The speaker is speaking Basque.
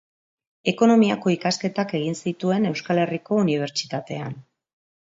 Ekonomiako ikasketak egin zituen Euskal Herriko Unibertsitatean.